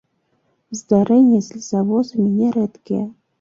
Здарэнні з лесавозамі нярэдкія.